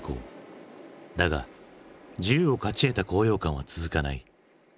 だが自由を勝ち得た高揚感は続かない。